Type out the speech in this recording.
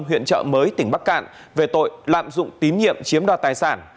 huyện trợ mới tỉnh bắc cạn về tội lạm dụng tín nhiệm chiếm đoạt tài sản